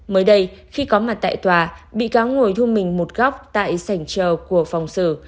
mới đây khi có mặt tại tòa bị cáo ngồi thu mình một góc tại sảnh trờ của phòng xử